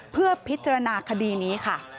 เพื่อพิจารณาคดีนี้ค่ะ